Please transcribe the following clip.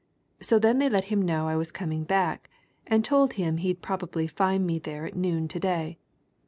So then they let him know I was coming back, and told him he'd probably find me there at noon to day.